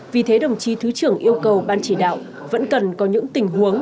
vì thế đồng chí thứ trưởng yêu cầu ban chỉ đạo vẫn cần có những tình huống